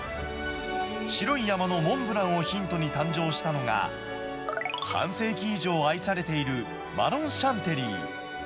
白い山のモンブランをヒントに誕生したのが、半世紀以上愛されているマロンシャンテリー。